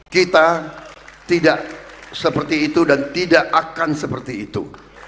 kita tidak seperti itu dan tidak akan seperti itu